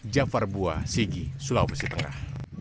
jafar bua sigi sulawesi tengah